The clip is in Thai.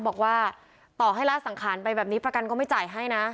บอกว่าต่อให้ละสังขารไปแบบนี้ประกันก็ไม่จ่ายให้นะ